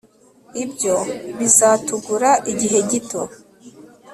ibyo bizatugura igihe gito